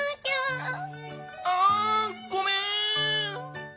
あごめん。